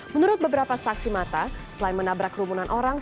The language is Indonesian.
menurut beberapa saksi mata selain menabrak kerumunan orang